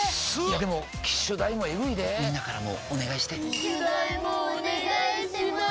でも機種代もエグいでぇみんなからもお願いして機種代もお願いします